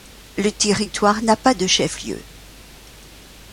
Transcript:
Le territoire n'a pas de chef-lieu.